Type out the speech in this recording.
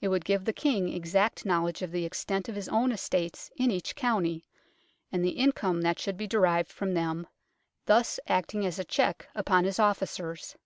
It would give the King exact knowledge of the extent of his own estates in each county, and the income that should be derived from them, thus acting as a check upon his officers ; 2.